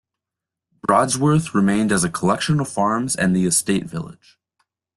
Brodsworth remained as a collection of farms and the estate village.